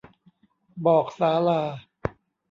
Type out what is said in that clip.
บอกศาลา